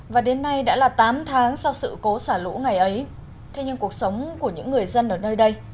và đến nay đã là tám tháng sau sự cố xả lũ ngày ấy thế nhưng cuộc sống của những người dân ở nơi đây